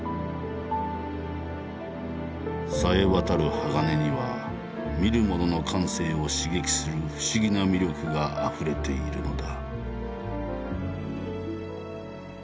冴えわたる鋼には見る者の感性を刺激する不思議な魅力があふれているのだ。